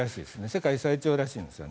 世界最長らしいんです。